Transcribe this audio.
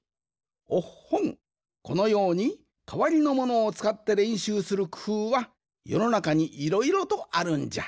おっほんこのようにかわりのものをつかってれんしゅうするくふうはよのなかにいろいろとあるんじゃ。